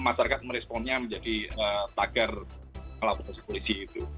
masyarakat meresponnya menjadi takar melakukan polisi itu